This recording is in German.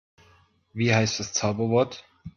Wie heißt das Zauberwort?